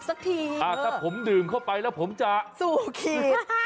สักทีอ่าถ้าผมดื่มเข้าไปแล้วผมจะสู่คิด